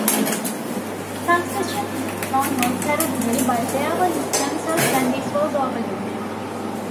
Succession to the throne was hereditary but there were instances when this was overlooked.